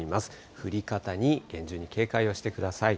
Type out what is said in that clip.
降り方に厳重に警戒をしてください。